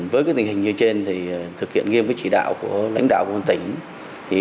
với tình hình như trên thực hiện nghiêm chỉ đạo của lãnh đạo quân tỉnh